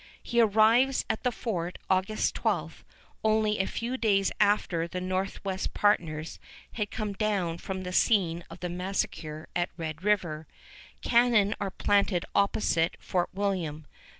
He arrives at the fort August 12, only a few days after the Northwest partners had come down from the scene of the massacre at Red River. Cannon are planted opposite Fort William.